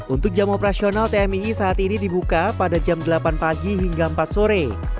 untuk jam operasional tmii saat ini dibuka pada jam delapan pagi hingga empat sore